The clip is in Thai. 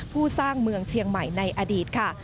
สร้างเมืองเชียงใหม่ในอดีตค่ะ